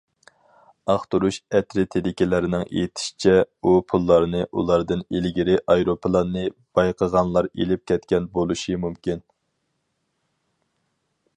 ئاختۇرۇش ئەترىتىدىكىلەرنىڭ ئېيتىشىچە، ئۇ پۇللارنى ئۇلاردىن ئىلگىرى ئايروپىلاننى بايقىغانلار ئېلىپ كەتكەن بولۇشى مۇمكىنكەن.